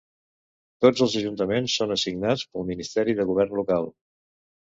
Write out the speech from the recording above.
Tots els ajuntaments són assignats pel Ministeri de Govern Local.